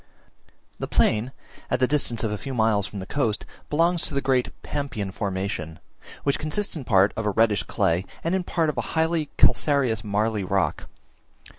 The plain, at the distance of a few miles from the coast, belongs to the great Pampean formation, which consists in part of a reddish clay, and in part of a highly calcareous marly rock.